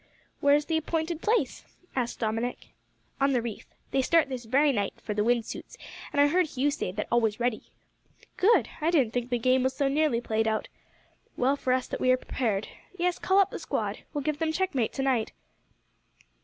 "Where is the appointed place?" asked Dominick. "On the reef. They start this very night, for the wind suits, and I heard Hugh say that all was ready." "Good! I didn't think the game was so nearly played out. Well for us that we are prepared. Yes, call up the squad. We'll give them checkmate to night."